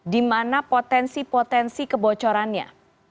di mana potensi potensi kebocorannya